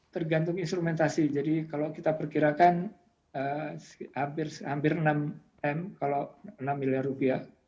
tergantung instrumentasi jadi kalau kita perkirakan hampir enam m kalau enam miliar rupiah